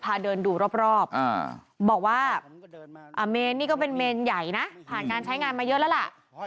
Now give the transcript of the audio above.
พาเดินดูรอบบอกว่าเมนนี่ก็เป็นเมนใหญ่นะผ่านการใช้งานมาเยอะแล้วล่ะ